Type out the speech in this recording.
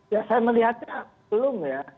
ya saya melihatnya belum ya